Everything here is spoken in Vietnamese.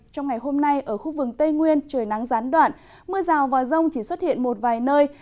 trong ngày hôm nay ở khu vực tây nguyên trời nắng gián đoạn mưa rào và rông chỉ xuất hiện một vài nơi